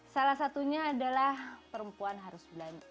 salah satunya adalah perempuan harus belanja